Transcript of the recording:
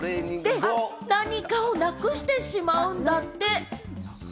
何かをなくしてしまうんだって。